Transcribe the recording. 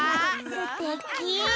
すてき！